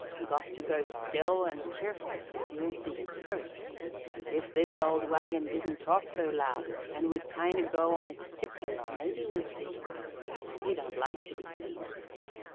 "Got to go still and careful so you'll see him first. If this old wagon didn't talk so loud and would kind o' go on its tiptoes maybe we'd see him. He don't like to be seen.